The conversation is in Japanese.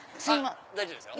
大丈夫ですよ。